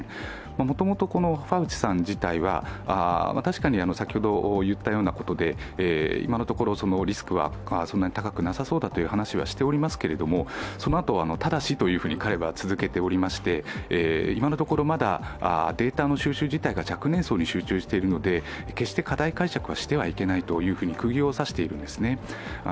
もともとファウチさん自体は確かに先ほど言ったようなことで今のところリスクはそんなに高くなさそうだという話はしておりますが、そのあと「ただし」と彼は続けていまして今のところ、まだデータの収集自体が若年層に集中しているので決して過大解釈はしてはいけないとくぎを刺しているんですね。